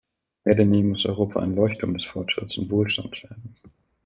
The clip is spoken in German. Mehr denn je muss Europa ein Leuchtturm des Fortschritts und Wohlstands werden.